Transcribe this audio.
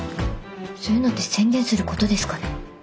そういうのって宣言することですかね？